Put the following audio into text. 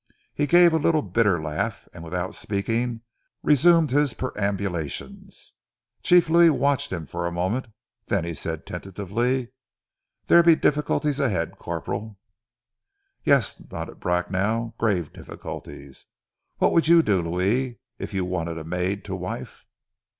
He gave a little bitter laugh, and without speaking resumed his perambulations. Chief Louis watched him for a moment then he said tentatively, "There be difficulties ahead, corp'ral." "Yes," nodded Bracknell, "grave difficulties! What would you do, Louis, if you wanted a maid to wife?"